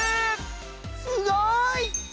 すごい！